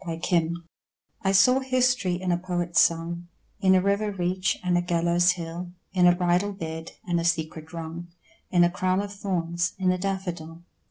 SYMBOLS I saw history in a poet's song, In a river reach and a gallows hill, In a bridal bed, and a secret wrong, In a crown of thorns: in a daffodil.